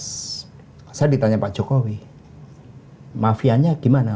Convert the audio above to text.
saya ditanya pak jokowi mafianya gimana